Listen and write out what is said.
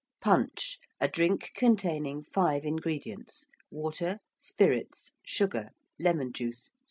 ~punch~: a drink containing five ingredients water, spirits, sugar, lemon juice, spice.